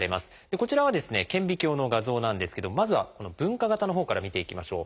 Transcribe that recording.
こちらは顕微鏡の画像なんですけどまずはこの分化型のほうから見ていきましょう。